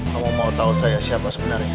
kamu mau tahu saya siapa sebenarnya